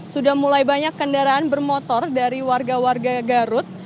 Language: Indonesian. sudah mulai banyak kendaraan bermotor dari warga warga garut